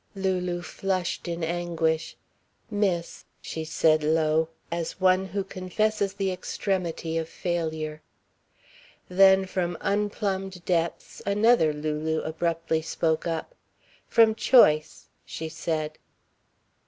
Lulu flushed in anguish. "Miss," she said low, as one who confesses the extremity of failure. Then from unplumbed depths another Lulu abruptly spoke up. "From choice," she said.